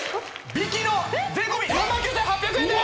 引きの税込３９８００円でーす！